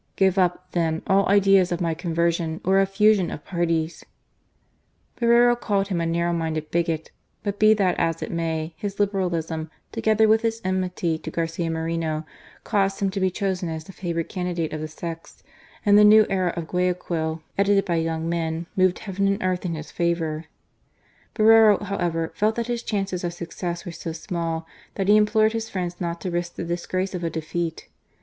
Give up, then, all idea of my conversion, or of the fusion of parties !"^ Borrero called him a narrow minded bigot ; but be that as it may, his Liberalism, together with his enmity to Garcia Moreno, caused him to be chosen as the favoured candidate of the sects, and the New Era of Guayaquil, edited by young men, moved heaven and earth in his favour. Borrero, however, felt that his chances of success were so small that he implored his friends not to risk the disgrace of a defeat.